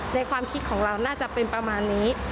ความคิดของเราน่าจะเป็นประมาณนี้